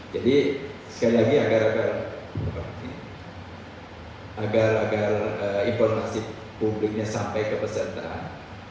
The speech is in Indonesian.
jadi sekali lagi agar agar informasi publiknya sampai kepesertaan